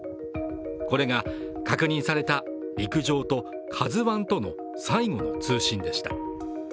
これが確認された陸上と「ＫＡＺＵⅠ」との最後の通信でした。